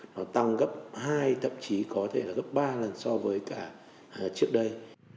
nó tăng gấp hai thậm chí có thể là gấp ba lần so với cả trước đây